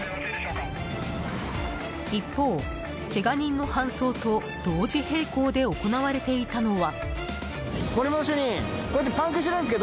一方、けが人の搬送と同時並行で行われていたのは。